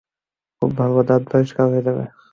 খুব ভালো, দাঁত পরিষ্কার হয়ে যাবে।